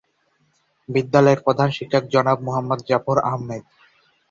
বিদ্যালয়ের প্রধান শিক্ষক জনাব মোহাম্মদ জাফর আহমদ।